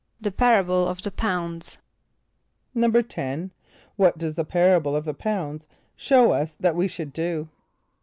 =The parable of the Pounds.= =10.= What does the parable of the Pounds show us that we should do?